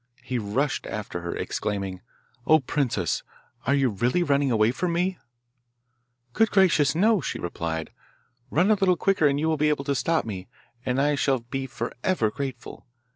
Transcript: He rushed after her exclaiming, 'O princess! are you really running away from me?' 'Good gracious, no!' she replied. 'Run a little quicker and you will be able to stop me, and I shall be for ever grateful.